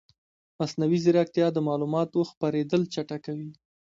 مصنوعي ځیرکتیا د معلوماتو خپرېدل چټکوي.